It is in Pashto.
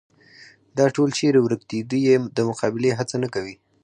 دا ټول چېرې ورک دي، دوی یې د مقابلې هڅه نه کوي.